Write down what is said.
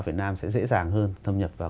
việt nam sẽ dễ dàng hơn thâm nhập vào